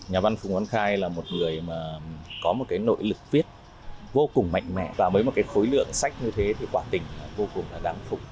nhà văn phùng văn khai là một người mà có một cái nội lực viết vô cùng mạnh mẽ và với một cái khối lượng sách như thế thì quả tình vô cùng là đáng phục